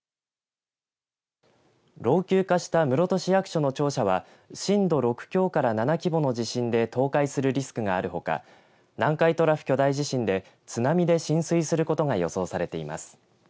老朽化した室戸市役所の庁舎は震度６強から７規模の地震で倒壊するリスクがあるほか南海トラフ巨大地震で津波で浸水することが予想されています。